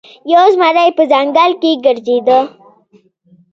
یو زمری په ځنګل کې ګرځیده.